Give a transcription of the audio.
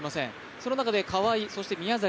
その中で、川井、宮崎